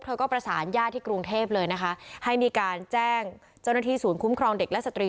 ก็ประสานญาติที่กรุงเทพเลยนะคะให้มีการแจ้งเจ้าหน้าที่ศูนย์คุ้มครองเด็กและสตรี